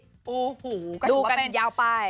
โอ้โหก็ถือว่าเป็นดูกันยาวไป